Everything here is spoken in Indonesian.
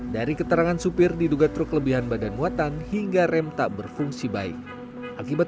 dari keterangan supir diduga truk kelebihan badan muatan hingga rem tak berfungsi baik akibat